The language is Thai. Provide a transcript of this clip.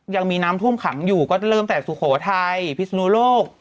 ยังมีน้ำท่วมขังอยู่ก็เริ่มแต่สุโขทัยพิศนุโลก